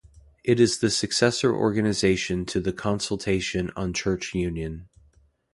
It is the successor organization to the Consultation on Church Union.